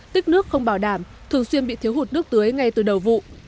tích nước không bảo đảm thường xuyên bị thiếu hụt nước tưới ngay từ đầu vụ